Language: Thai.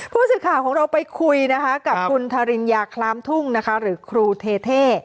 ผู้สื่อข่าวของเราไปคุยนะคะกับคุณทาริญญาคลามทุ่งนะคะหรือครูเทเท่